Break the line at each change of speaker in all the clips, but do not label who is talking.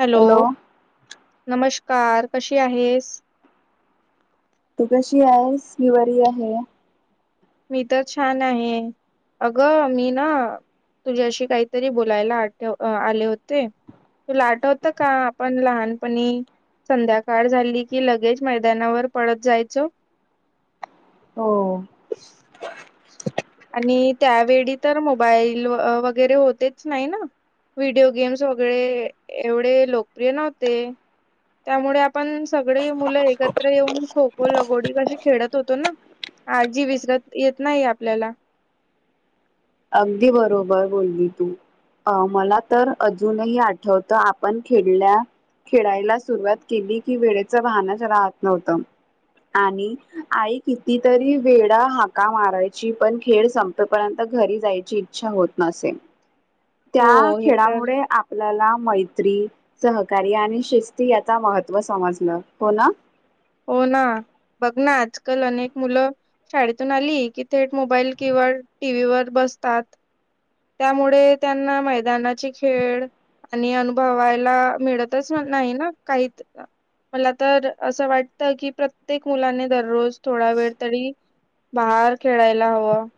Hello नमस्कार कशी आहेस?
तू कशी आहेस मी बरी आहे ना.
मी तर छान आहे अगं मी ना तुझ्याशी काहीतरी बोलायला आठ आले होते. तूला आठवत का आपण लहानपणी संध्याकाळ झाली की लगेच मैदानावर पळत जायचो
हो.
आणि त्यावेळी तर मोबाईल वगैरे होतेच नाही ना. व्हिडिओ गेम्स वगैरे एवढे लोकप्रिय नव्हते. त्यामुळे आपण सगळे मुलं एकत्र येऊन खो खो लगोडी कशी खेळत होतो ना. आजी विसरत येत नाही आपल्याला.
अगदी बरोबर बोलली तू. अ मला तर अजूनही आठवतं आपण खेळल्या खेळायला सुरुवात केली की वेळेच भानच राहत नव्हतं. आणि आई कितीतरी वेळा हाका मारायची पण खेळ संपेपर्यंत घरी जायची इच्छा होत नसे
हो
त्या
हे तर
खेळामुळे आपल्याला मैत्री सहकार्य आणि शिस्ती याचा महत्त्व समजलं हो ना.
हो ना बघ ना आजकाल अनेक मुलं शाळेतून आली की थेट मोबाईल किंवा टी व्ही वर बसतात. त्यामुळे त्यांना मैदानाचे खेळ आणि अनुभवायला मिळतच नाही ना काही मला तर असं वाट की प्रत्येक मुलाने दररोज थोडा वेळ तरी बाहेर खेळायला हवं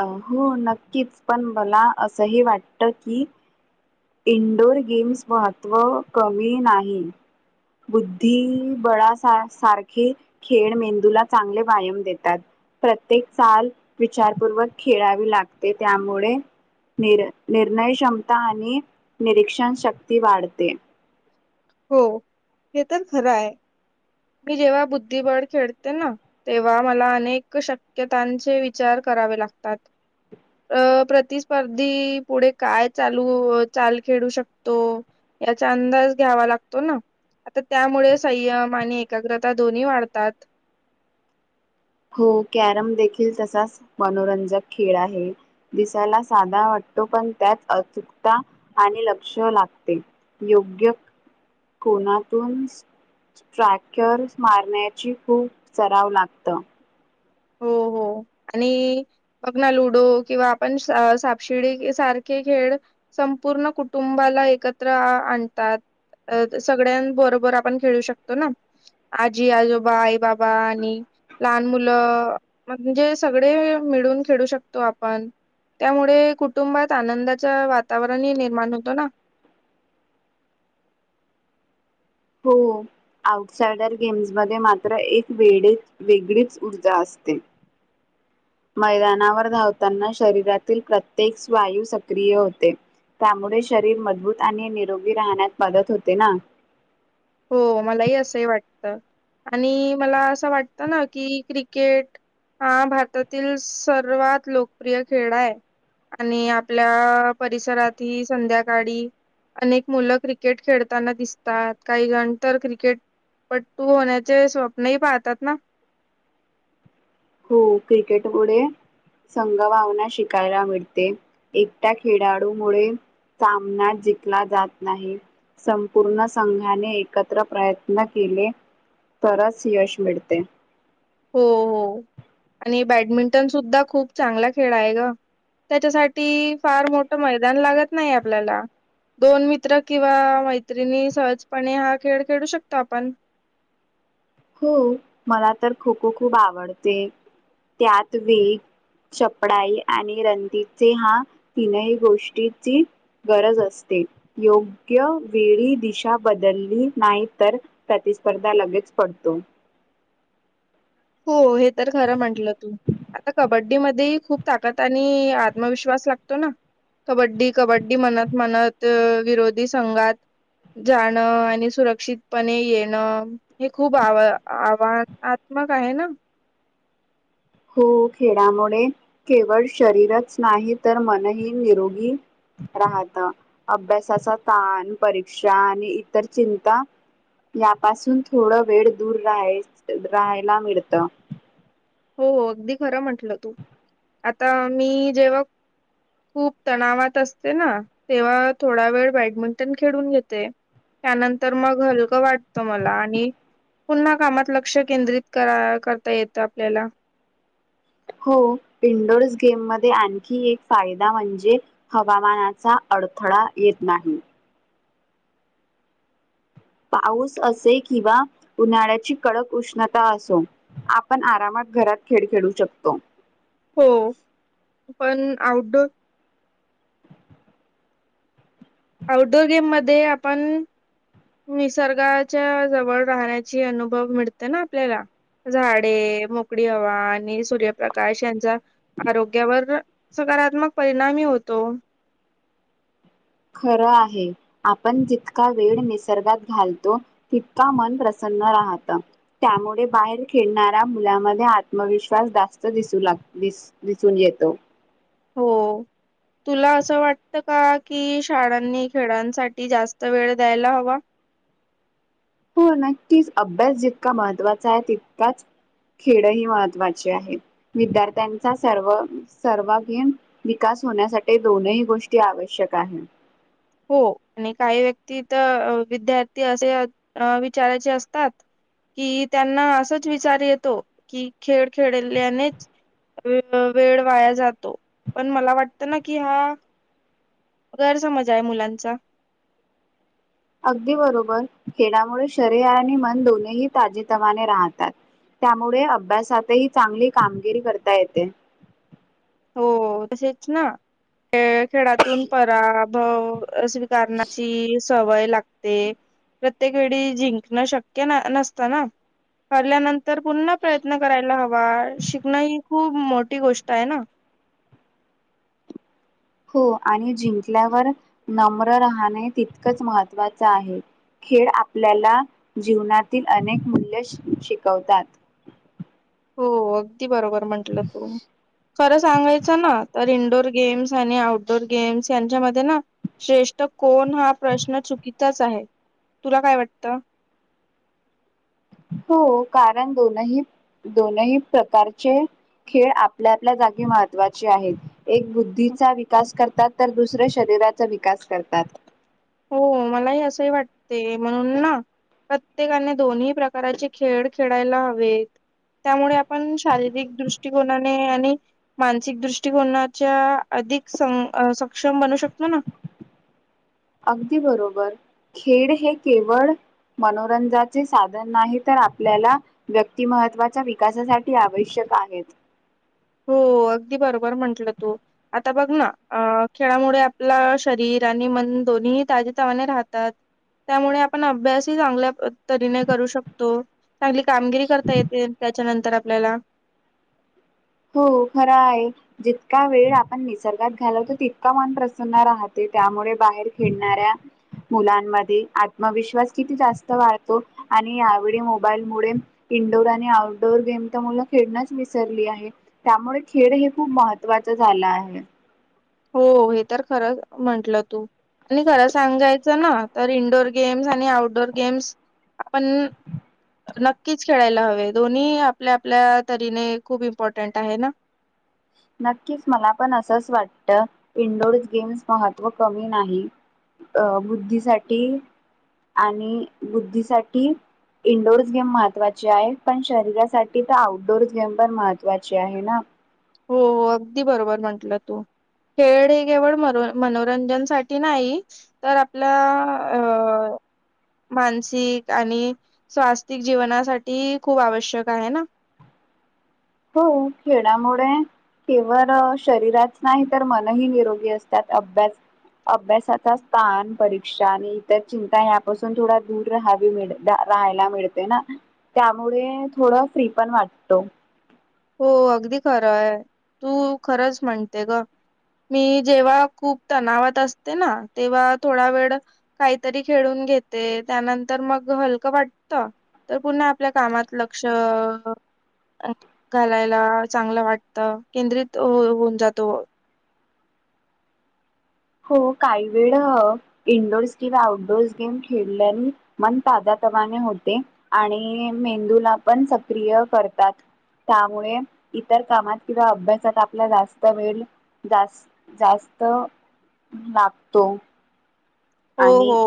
अ हो नक्कीच पण मला असंही वाटत की इनडोअर गेम्स महत्त्व कमी नाही. बुद्धिबळा सा सारखे खेळ मेंदूला चांगले व्यायम देतात. प्रत्येक चाल विचारपूर्वक खेळावी लागते त्यामुळे निर निर्णय क्षमता आणि निरीक्षण शक्ती वाढते.
हो हे तर खरं आहे मी जेव्हा बुद्धिबळ खेळते ना तेव्हा मला अनेक शक्यतांचे विचार करावे लागतात. अ प्रतिस्पर्धी पुढे काय चालू चाल खेळू शकतो. याचा अंदाज घ्यावा लागतो. तो ना आता त्यामुळे संयम आणि एकाग्रता दोन्ही वाढतात.
हो कॅरम देखील तसाच मनोरंजक खेळ आहे. दिसायला साधा वाटतो पण त्यात अचुकता आणि लक्ष लागते. योग्य. कोनातून स्ट्रॅकेर मारण्याची खूप सराव लागतं.
हो हो आणि बघ ना लुडो किंवा आपण सापशिडी सारखे खेळ संपूर्ण कुटुंबाला एकत्र आणतात. अ सगळ्यां बरोबर आपण खेळू शकतो ना. आजी आजोबा आई बाबा आणि लहान मुलं अ म्हणजे सगळे मिळून खेळू शकतो आपण. त्यामुळे कुटुंबात आनंदाच वातावरणही निर्माण होतो ना.
हो आउटसायडर गेम्स मध्ये मात्र एक वेडेच वेगळीच ऊर्जा असते. मैदानावर धावताना शरीरातील प्रत्येक स् वायू सक्रिय होते. त्यामुळे शरीर मजबूत आणि निरोगी राहण्यात मदत होते ना.
हो मलाही असंही वाटत आणि मला असं वाटतं ना की क्रिकेट हा भारतातील सर्वात लोकप्रिय खेळा आहे. आणि आपल्या परिसरातही संध्याकाळी अनेक मुलं क्रिकेट खेळताना दिसतात. काही जण तर क्रिकेटपट्टू होण्याचे स्वप्नही पाहतात ना
हो क्रिकेट पुढे संघभवना शिकायला मिळते एकटा खेळाडू मु सामना जंकला जात नाही संपूर्ण संघाने एकत्र प्रयत्न केले तरच यश मिळते
हो हो आणि बॅडमिंटन सुुद्धा खूप चांगला खेळ आहे ग त्याच्यासाठी फार मोठं मैदान लागत नाही आपल्याला दोन मित्र किंवा मैत्रिणी सहजपणे हा खेळ खेळू शकतो आपण
हो मला तर खो खो खूप आवडते त्यात वेग चपडाई आणि रंंदीचे हा तीनही गोष्टीची गरज असते योग्य वेळी दिशा बदलली नाही तर प्रतिस्पर्धा लगेच पडतो तो
हो हे तर खरं म्हटलं तू. आता कबड्डी मध्ये खूप ताकद आणि आत्मविश्वास लागतो ना. कबड्डी कबड्डी म्हणत म्हणत अ विरोधी संघात जाणं आणि सुरक्षितपणे येणं. हे खूप आव आव्हानात्मक आहे ना.
हो खेळामुळे केवळ शरीरच नाही तर मनही निरोगी राहत अभ्यासाचा ताण परीक्षा आणि इतर चिंता यापासून थोड वेळ दूर राहाय राहायला मिळत
हो हो अगदी खरं म्हंटलं तू आता मी जेव्हा खूप तणावात असते ना तेव्हा थोडा वेळ बॅडमिंटन खेळून घेते त्यानंतर मग हलकं वाटतं मला आणि पुन्हा कामात लक्ष केंद्रित करा करता येत आपल्याला
हो इंडोर्स गेममध्येध्ये आणखी एक फायदा म्हणजे हवामानाचा अडथळा येत नाही पाऊस असे किंवा उन्हाळ्याची कडक उष्णता असो आपण आरामात घरात खेळ खेळू शकतो
हो पण आउटडोर आऊटडोअर गेम मध्ये आपण निसर्गाच्या जवळ राहण्याची अनुभव मिळते ना आपल्याला झाडे मोकळी हवा आणि सूर्यप्रकाश यांचा आरोग्यावर सकारात्मक परिणामी होतो
खरं आहे आपण जितका वेळ निसर्गात घालतो तितका मन प्रसन्न राहत त्यामुळे बाहेर खेळणाऱ्या मुलामध्ये आत्मविश्वास जास्त दिसू लाग दिस दिसून येतो
हो तुला असं वाटतं का कि शाळांनी खेळांसाठी जास्त वेळ द्यायला हवा
हो नक्कीच अभ्यास जितका महत्वाचा आहे तितकाच खेळ ह महत्त्वाचे आहे विद्यार्थ्यांचा सर्व सर्व गेम विकास होण्यासाठी दोनही गोष्टी आवश्यक आहेत
हो आणि काही व्यक्ती तर विद्यार्थी असे विचारायचे असतात कि त्यांना असंच विचार येतो की खेळ खेळल्यानेच वेळ वाया जातो पण मला वाटतं ना कि हा गैर समजा आहे मुलांचा
अगदी बरोबर खेळामुळे शरीर आणि मन दोन्ही ताजेतवाने राहतात. त्यामुळे अभ्यासातही चांगली कामगिरी करता येते.
हो तसेच ना ख खेळातून पराभव. स्वीकारण्याची. सवय लागते. प्रत्येक वेळी जिंकणं शक्य नसत ना. हल्यानंतर पुन्हा प्रयत्न करायला हवा शिकणं ही खूप मोठी गोष्ट आहे ना.
हो आणि जिंकल्यावर नम्र राहणें तितकंच महत्त्वाचं आहे. खेळ आपल्याला जीवनातील अनेक मूल्य श शिकवतात.
हो अगदी बरोबर म्हंटलं तू खरं सांगायचं ना तर इंडोअर गेम्स आणि आउटडोर गेम्स यांच्यामध्ये ना श्रेष्ठ कोण हा प्रश्न चुकीचाच आहे. तुला काय वाटतं.
हो कारण दोनही दोनही प्रकारचे खेळ आपल्यापल्या जागी महत्त्वाचे आहेत. एक बुद्धीचा विकास करतात तर दुसऱ्या शरीराचा विकास करतात.
हो मलाही असंही वाटते म्हणून ना प्रत्येकाने दोन्ही प्रकाराचे खेळ खेळायला हवेत त्यामुळे आपण शारीरिक दृष्टिकोनाने आणि मानसिक दृष्टिकोनाच्या अधिक सं सक्षम बनू शकतो ना
अगदी बरोबर खेळ हे केवळ मनोरंजाचे साधन नाही तर आपल्याला व्यक्ति महत्त्वाच्या विकासासाठी आवश्यक आहेत
हो अगदी बरोबर म्हंटलं तू आता बघ ना खेळामुळे आपलं शरीर आणि मन दोन्ही ताजतवाने राहतात. त्यामुळे आपण अभ्यासही चांगल्या तरीने करू शकतो. चांगली कामगिरी करता येते त्याच्यानंतर आपल्याला
हो खरा आहे. जितका वेळ आपण निसर्गात घालवतो तितका मन प्रसन्न राहते त्यामुळे बाहेर खेळणाऱ्या मुलांमध्ये आत्मविश्वास किती जास्त वाढतो आणि यावेळी मोबाईल मुळे इंडोर आणि आउटडोअर गेम तर मुलं खेळणच विसरली आहे. त्यामुळे खेळ हे खूप महत्त्वाच झालं आहे.
हो हे तर खरं म्हंटलं तू आणि खरं सांगायच ना तर इंडोअर गेम्स आणि आउटडोर गेम्स आपण नक्कीच खेळायला हवे दोन्ही आपल्या आपल्या तरीने खूप इम्पॉर्टंट आहे ना
नक्कीच मला पण असंच वाटत इंडोर गेम्स महत्त्व कमी नाही. अ बुद्धीसाठी आणि बुद्धीसाठी इंडोर्स गेम महत्त्वाचे आहे पण शरीरासाठी तर आउटडोअर् गेम पण महत्वाची आहे ना
हो अगदी बरोबर म्हंटलं तू खेळ हे केवळ म मनोरंजनसाठीठी नाही तर आपल्या अ मानसिक आणि स्वास्तिक जीवनासाठी खूप आवश्यक आहे ना
हो खेड्यामुळे केवळ शरीरात नाही तर मनही निरोगी असतात अभ्यास अभ्यासाचा स्थान परीक्षा आणि इतर चिंता या्यापासून थोडा दूर राहावी मिळेल. राहायला मिळते ना त्यामुळे थोडं फ्री पण वाटतो
हो अगदी खरं आहे तू खरंच म्हणते ग मी जेव्हा खूप तणावात असते ना तेव्हा थोडा वेळ काहीतरी खेळून घेते त्यानंतर मग हलकं वाटत तर पुन्हा आपल्या कामात लक्ष घालायला चांगलं वाटत केंद्रित होऊन जातो
हो काही वेळ इंडोर्स किंवा आउटडोअर्स गेम खेळल्याने मन ताजतवाने होते आणि मेंदूला पण सक्रिय करतात. त्यामुळे इतर कामात किंवा अभ्यासात आपला जास्त वेळ जास्त जास्त लागतो
हो
आणि
हो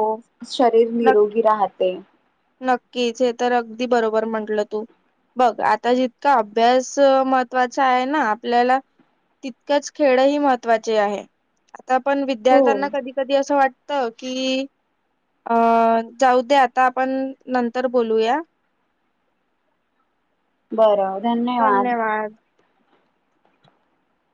शरीर
नक्की
निरोगी राहते
नक्कीच हे तर अगदी बरोबर म्हंटलं तू बघ आता जितका अभ्यास महत्त्वाचा आहे ना आपल्याला तितकच खेळ ही महत्त्वाचे आहे आता आपण
हो
विद्यार्थ्यांना कधी कधी असं वाटत की अ जाऊ दे आता पण नंतर बोलूया
बरं धन्यवाद